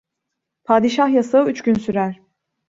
Padişah yasağı üç gün sürer.